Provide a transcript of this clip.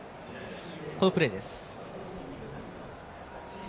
このプレーです。